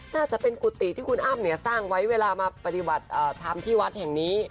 น่าจะเป็นกุฏีคนอ้ำสร้างไว้เวลามาปฏิหวัดทำที่วัดแห่งนี้